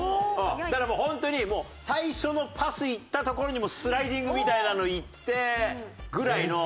だからもうホントに最初のパスいったところにスライディングみたいなのいってぐらいの。